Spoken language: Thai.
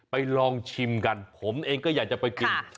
ลองชิมกันผมเองก็อยากจะไปกิน